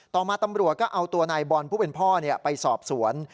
ต่อมาตำรวจก็เอาตัวนายบอลผู้เป็นพ่อไปสอบสวน